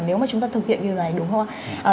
nếu mà chúng ta thực hiện như thế này đúng không ạ